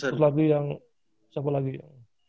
terus lagi yang siapa lagi ya